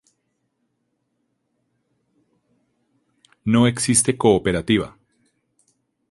No existe cooperativa.